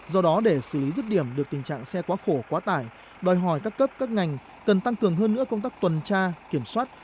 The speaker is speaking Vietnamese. do đó để xử lý rứt điểm được tình trạng xe quá khổ quá tải đòi hỏi các cấp các ngành cần tăng cường hơn nữa công tác tuần tra kiểm soát